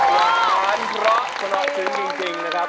ล้านเพราะพอเราถึงจริงนะครับ